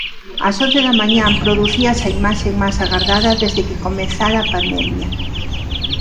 Ás once da mañá producíase a imaxe máis agardada desde que comezara a pandemia.